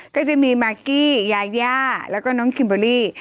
ก็จะมีมากกี้ยาแล้วก็น้องคิมบอลลี่